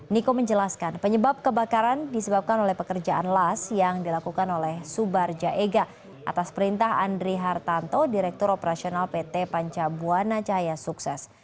niko menjelaskan penyebab kebakaran disebabkan oleh pekerjaan las yang dilakukan oleh subar jaega atas perintah andri hartanto direktur operasional pt panca buana cahaya sukses